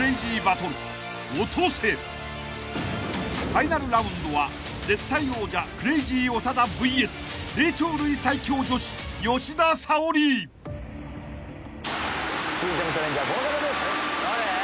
［ファイナルラウンドは絶対王者クレイジー長田ＶＳ霊長類最強女子吉田沙保里］続いてのチャレンジャー